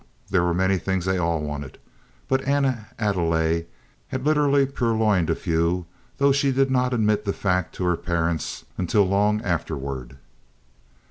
There were many things they all wanted, and Anna Adelaide had literally purloined a few though she did not admit the fact to her parents until long afterward.